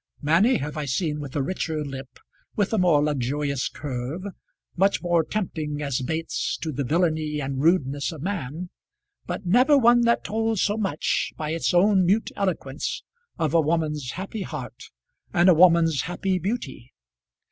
Many have I seen with a richer lip, with a more luxurious curve, much more tempting as baits to the villainy and rudeness of man; but never one that told so much by its own mute eloquence of a woman's happy heart and a woman's happy beauty.